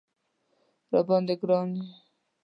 راباندې ګران یې